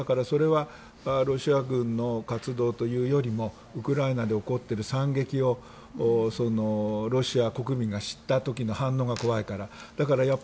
それはロシア軍の活動というよりもウクライナで起こっている惨劇を、ロシア国民が知った時の反応が怖いから。